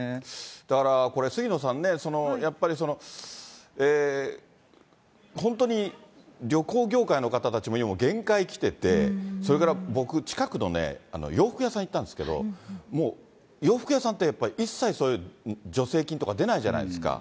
だからこれ、杉野さんね、やっぱり本当に旅行業界の方たちも今、限界きてて、それから僕、近くの洋服屋さんに行ったんですけど、もう洋服屋さんって、一斉そういう助成金とか出ないじゃないですか。